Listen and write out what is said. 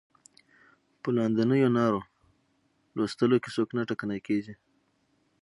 په لاندنیو نارو لوستلو کې څوک نه ټکنی کیږي.